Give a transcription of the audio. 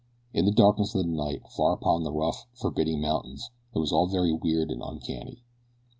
In the darkness of the night, far up among the rough, forbidding mountains it was all very weird and uncanny.